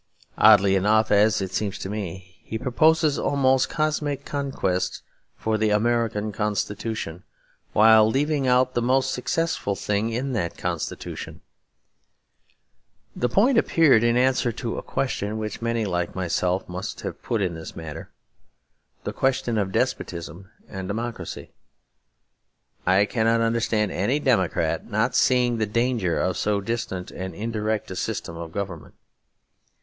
Oddly enough, as it seems to me, he proposes almost cosmic conquests for the American Constitution, while leaving out the most successful thing in that Constitution. The point appeared in answer to a question which many, like myself, must have put in this matter; the question of despotism and democracy. I cannot understand any democrat not seeing the danger of so distant and indirect a system of government.